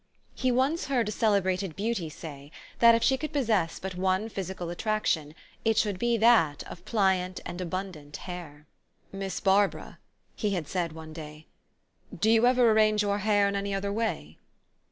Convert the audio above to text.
He once heard a celebrated beauty say, that, if she could possess but one physical attrac tion, it should be that of pliant and abundant hair. "Miss Barbara," he had said one day, "do you ever arrange your hair in any other way?"